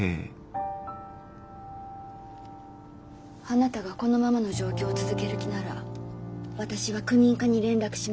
あなたがこのままの状況を続ける気なら私は区民課に連絡します。